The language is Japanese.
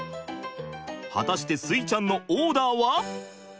果たして穂ちゃんのオーダーは？